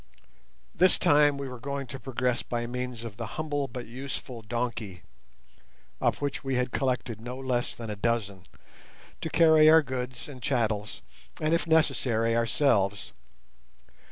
This time we were going to progress by means of the humble but useful donkey, of which we had collected no less than a dozen, to carry our goods and chattels, and, if necessary, ourselves.